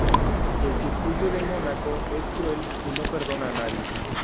El circuito de Mónaco es cruel y no perdona a nadie.